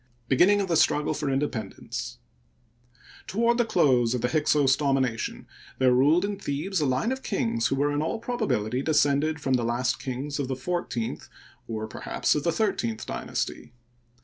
— Beginning of the Struggle for Independence, Toward the close of the Hyksos domination there ruled in Thebes a line of kings who were, in all probability, descended from the last kings of the fourteenth or, per haps, of the thirteenth dynasty.